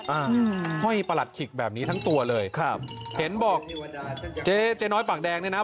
อืมห้อยประหลัดขิกแบบนี้ทั้งตัวเลยครับเห็นบอกเจ๊เจ๊น้อยปากแดงเนี่ยนะ